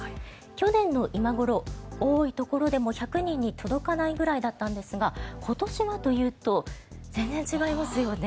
去年の今頃、多いところでも１００人に届かないぐらいだったんですが今年はというと全然違いますよね。